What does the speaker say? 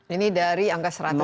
ini dari angka seratus